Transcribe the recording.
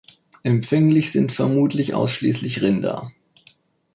Empfänglich sind vermutlich ausschließlich Rinder.